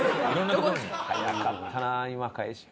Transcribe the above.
早かったなあ今返し。